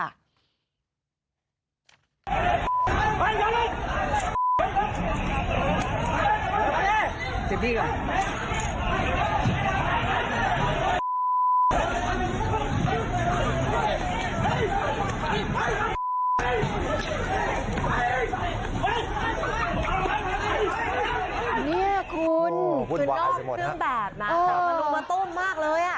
นี่คุณขึ้นรอบครึ่งแบบนะมันไม่ต้นมากเลย